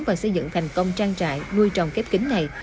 và xây dựng thành công trang trại nuôi trồng kép kính này